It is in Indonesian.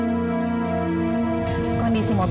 jangan biarkan ny featured as kesetiaan kamu